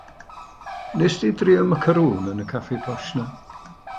Wnest ti drio macarŵn yn y caffi posh 'na?